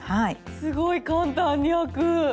すごい簡単に開く！